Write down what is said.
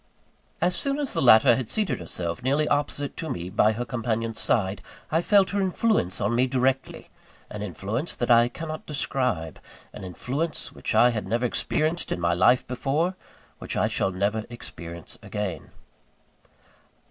As soon as the latter had seated herself nearly opposite to me, by her companion's side, I felt her influence on me directly an influence that I cannot describe an influence which I had never experienced in my life before, which I shall never experience again.